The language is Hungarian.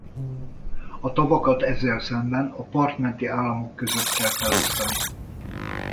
A tavakat ezzel szemben a part menti államok között kell felosztani.